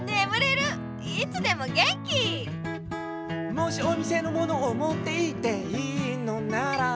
「もしお店のものをもっていっていいのなら」